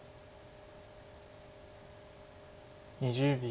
２０秒。